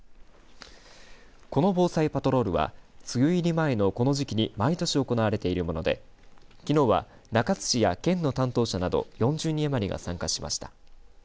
この防災パトロールは梅雨入り前のこの時期に毎年行われているものできのうは中津市や県の担当者など４０人余りが参加しました。